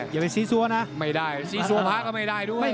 อย่าไปซีซัวนะไม่ได้ซีซัวพระก็ไม่ได้ด้วย